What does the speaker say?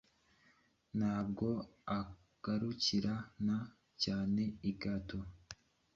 Nta bwo agarukira n cyaneigato